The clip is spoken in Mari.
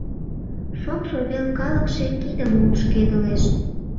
Шокшо вел калыкше кидым лупшкедылеш.